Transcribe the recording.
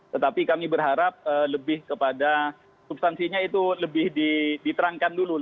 tetapi kami berharap lebih kepada substansinya itu lebih diterangkan dulu